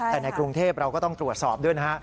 แต่ในกรุงเทพเราก็ต้องตรวจสอบด้วยนะฮะ